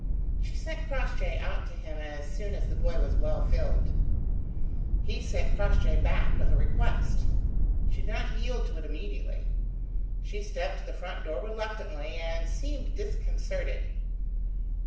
She sent Crossjay out to him as soon as the boy was well filled. He sent Crossjay back with a request. She did not yield to it immediately. She stepped to the front door reluctantly, and seemed disconcerted.